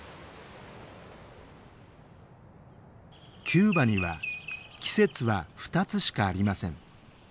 キューバには季節は２つしかありません。